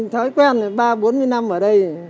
thói quen ba bốn mươi năm ở đây